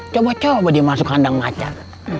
coba coba dia masuk kandang macem